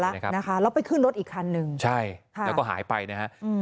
แล้วนะคะแล้วไปขึ้นรถอีกคันนึงใช่ค่ะแล้วก็หายไปนะฮะอืม